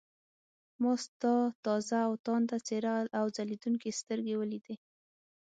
ما ستا تازه او تانده څېره او ځلېدونکې سترګې ولیدې.